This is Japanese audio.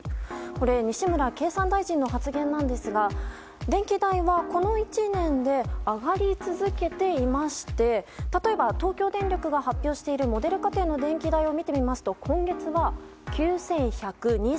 これ、西村経産大臣の発言なんですが電気代は、この１年で上がり続けていまして例えば、東京電力が発表しているモデル家庭の電気代を見てみますと今月は９１２６円。